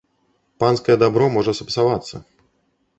Панскае дабро можа сапсавацца.